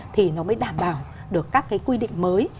thì nó mới đảm bảo được các cái quy định mới